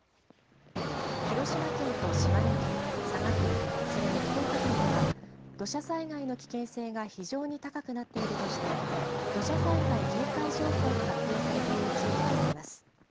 広島県と島根県、佐賀県、それに福岡県では、土砂災害の危険性が非常に高くなっているとして、土砂災害警戒情報が発表されている地域があります。